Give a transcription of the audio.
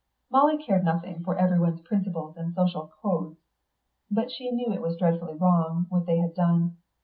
Molly cared nothing for everyone's principles and social codes; but she knew it was dreadfully wrong, what they had done.